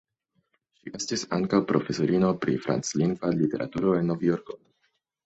Ŝi estis ankaŭ profesorino pri franclingva literaturo en Novjorko.